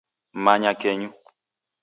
Manya kenyu